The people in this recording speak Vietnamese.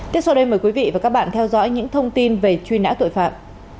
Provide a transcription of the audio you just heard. tiếp sau đây mời quý vị và các bạn theo dõi những thông tin về truy nã tội phạm